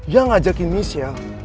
yang ngajakin michelle